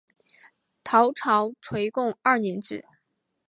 唐朝垂拱二年置。